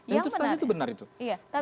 itu benar itu